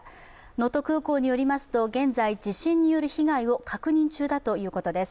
能登空港によりますと、現在、地震による被害を確認中だということです。